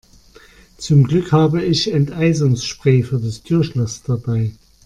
Zum Glück habe ich Enteisungsspray für das Türschloss dabei.